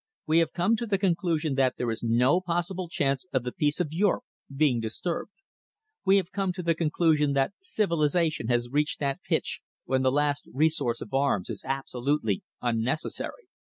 We have come to the conclusion that there is no possible chance of the peace of Europe being disturbed. We have come to the conclusion that civilisation has reached that pitch when the last resource of arms is absolutely unnecessary.